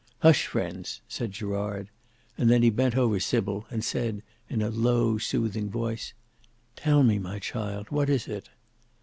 "Hush friends!" said Gerard: and then he bent over Sybil and said in a low soothing voice, "Tell me, my child, what is it?"